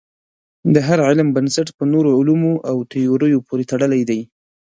د هر علم بنسټ په نورو علومو او تیوریو پورې تړلی دی.